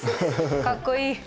かっこいい。